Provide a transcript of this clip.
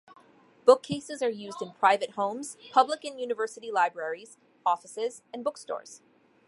Bookcases are used in private homes, public and university libraries, offices and bookstores.